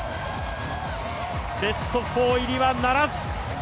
ベスト４入りはならず。